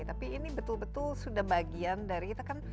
tapi ini betul betul sudah bagian dari kita kan